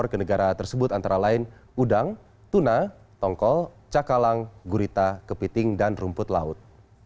ke negara tersebut antara lain udang tuna tongkol cakalang gurita kepiting dan rumput laut